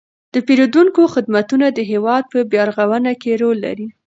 د پیرودونکو خدمتونه د هیواد په بیارغونه کې رول لري.